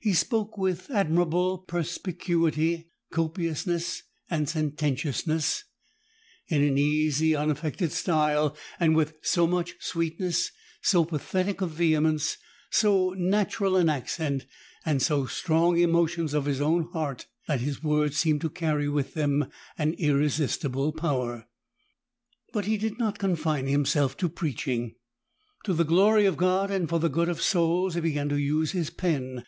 He spoke with ad mirable perspicuity, copiousness, and sententiousness, in an easy unaffected style: and with so much sweetness, so pathetic a vehemence, so natural an accent, and so strong emotions' of his own heart, that his words seemed to carry with them an irresistible power.'' But he did not confine himself to preaching. To the glory of God and for the good of souls he began to use his pen.